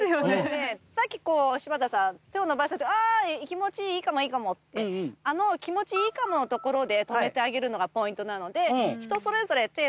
さっきこう柴田さん手を伸ばしたとき気持ちいいかもってあの気持ちいいかものところで止めてあげるのがポイントなので人それぞれ手